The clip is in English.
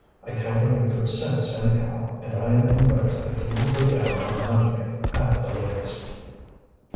I count on your good sense, anyhow; and I am convinced that you will go down on Monday, at the latest."